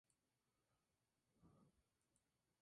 Éste normalmente requiere práctica considerable para aprender.